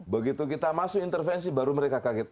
begitu kita masuk intervensi baru mereka kaget